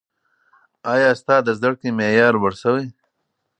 ایا ستا د زده کړې معیار لوړ سوی؟